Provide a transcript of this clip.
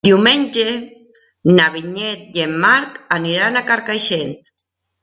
Diumenge na Vinyet i en Marc aniran a Carcaixent.